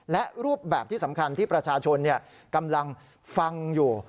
และรูปแบบที่สำคัญที่ประชาชนกำลังฟังอยู่